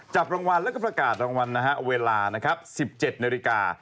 จับรางวัลแล้วก็ประกาศรางวัลนะฮะเวลานะครับ๑๗นาฬิกา